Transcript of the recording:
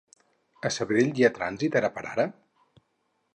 A Sabadell hi ha trànsit ara per ara?